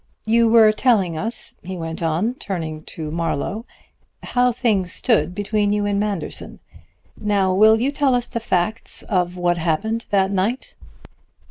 "You were telling us," he went on, turning to Marlowe, "how things stood between you and Manderson. Now will you tell us the facts of what happened that night?"